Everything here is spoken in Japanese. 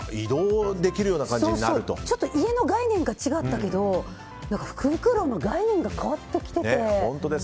家が家の概念が違ったけど福袋の概念が変わってきてて。